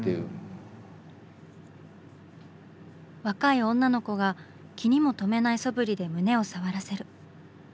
若い女の子が気にも留めないそぶりで胸を触らせる。